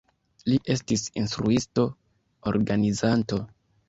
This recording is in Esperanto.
Li estis instruisto, organizanto.